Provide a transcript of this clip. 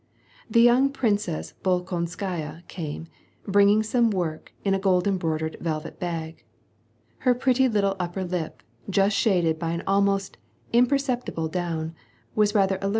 The young Princess Bolkonskaya came, bringing some work a a gold embroidered velvet bag. Her pretty little upper lip, just, shaded by an ahnost imperceptible down, was rather %L.